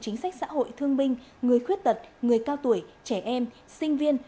chính sách xã hội thương binh người khuyết tật người cao tuổi trẻ em sinh viên